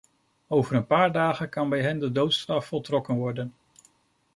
Over een paar dagen kan bij hen de doodstraf voltrokken worden.